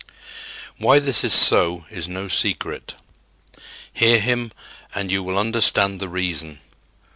Why this is so is no secret. Hear him and you will understand the reason.